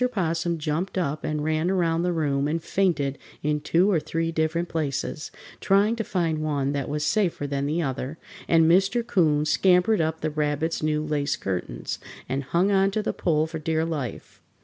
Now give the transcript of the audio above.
'Possum jumped up and ran around the room and fainted in two or three different places, trying to find one that was safer than the other, and Mr. 'Coon scampered up the Rabbit's new lace curtains and hung on to the pole for dear life.